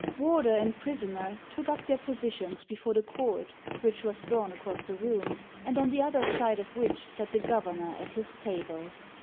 Warder and prisoner took up their positions before the cord which was drawn across tiie room, and on the other side of which sat the governor at his table.